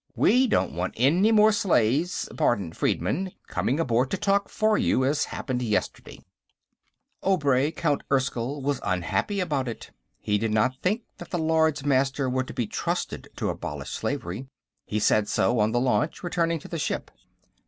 We don't want any more slaves, pardon, freedmen, coming aboard to talk for you, as happened yesterday." Obray, Count Erskyll, was unhappy about it. He did not think that the Lords Master were to be trusted to abolish slavery; he said so, on the launch, returning to the ship.